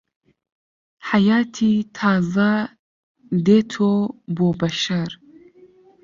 حەیاتی تازە دێتۆ بۆ بەشەر